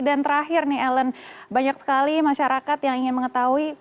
dan terakhir nih ellen banyak sekali masyarakat yang ingin mengetahui